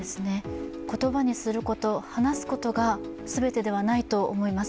言葉にすること、話すことが全てではないと思います。